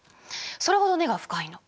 それほど根が深いの。